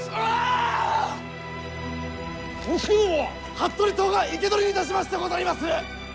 服部党が生け捕りにいたしましてござりまする！